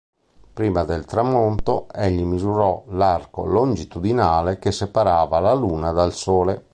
Prima del tramonto, egli misurò l'arco longitudinale che separava la Luna dal Sole.